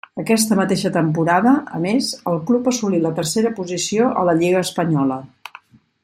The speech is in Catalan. Aquesta mateixa temporada, a més, el club assolí la tercera posició a la lliga espanyola.